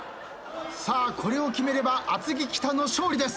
これを決めれば厚木北の勝利です。